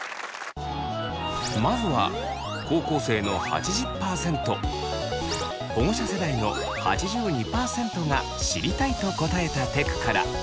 まずは高校生の８０％保護者世代の８２％が「知りたい」と答えたテクから。